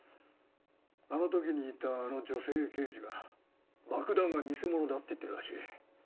あの時にいたあの女性刑事が爆弾は偽物だって言ってるらしい。